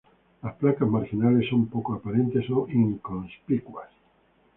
Las placas marginales son poco aparentes e inconspicuas.